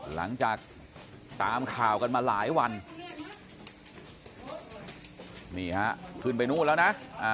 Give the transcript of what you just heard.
หลังจากตามข่าวกันมาหลายวันนี่ฮะขึ้นไปนู่นแล้วนะ